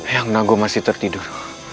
yang naku masih tertidur